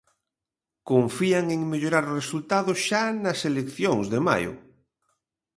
Confían en mellorar os resultados xa nas eleccións de maio.